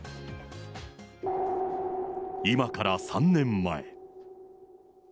今から３年前。